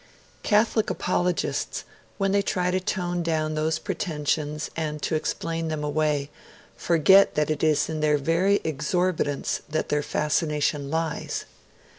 Catholic apologists, when they try to tone down those pretensions and to explain them away, forget that it is in their very exorbitance that their fascination lies.